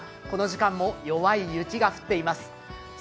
この時間も弱い雪が降っています。